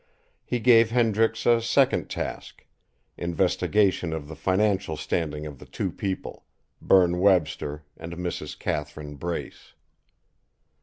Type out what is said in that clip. He gave Hendricks a second task: investigation of the financial standing of two people: Berne Webster and Mrs. Catherine Brace.